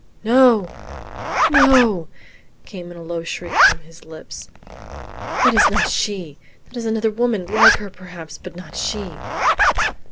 "No, no," came in a low shriek from his lips, "that is not she; that is another woman, like her perhaps, but not she."